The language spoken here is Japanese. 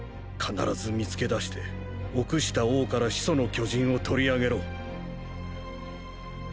必ず見つけ出して臆した王から「始祖の巨人」を取り上げろ。